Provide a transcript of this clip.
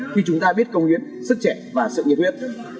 khi chúng ta biết công hiến sức trẻ và sự nhiệt huyết